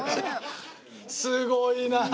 すごいな。